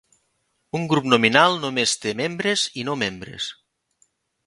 Un grup nominal només té membres i no membres.